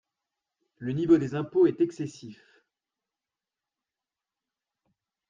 Le niveau des impôts est excessif.